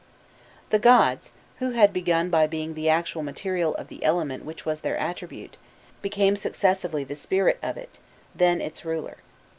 The gods, who had begun by being the actual material of the element which was their attribute, became successively the spirit of it, then its ruler.